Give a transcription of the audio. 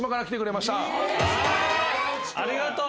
ありがとう。